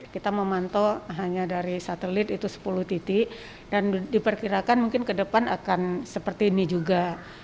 kita memantau hanya dari satelit itu sepuluh titik dan diperkirakan mungkin ke depan akan seperti ini juga